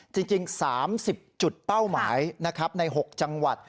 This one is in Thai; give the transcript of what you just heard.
จริง๓๐จุดเป้าหมายนะครับใน๖จังหวัด